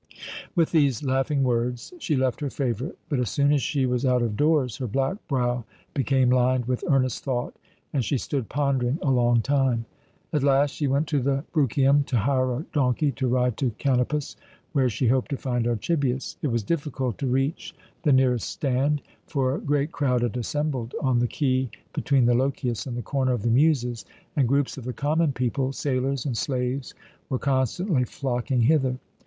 With these laughing words she left her favourite; but as soon as she was out of doors her black brow became lined with earnest thought, and she stood pondering a long time. At last she went to the Bruchium to hire a donkey to ride to Kanopus, where she hoped to find Archibius. It was difficult to reach the nearest stand; for a great crowd had assembled on the quay between the Lochias and the Corner of the Muses, and groups of the common people, sailors, and slaves were constantly flocking hither.